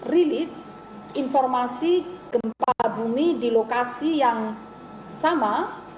rilis informasi gempa bumi di lokasi yang sama